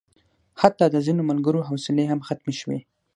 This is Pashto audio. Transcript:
حتی د ځینو ملګرو حوصلې هم ختمې شوې.